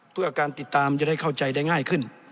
เพื่อการติดตามจะได้เข้าใจได้ง่ายขึ้น